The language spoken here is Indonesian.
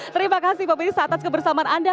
terima kasih bapak atas kebersamaan anda